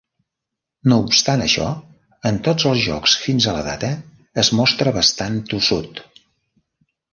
No obstant això, en tots els jocs fins a la data, es mostra bastant tossut.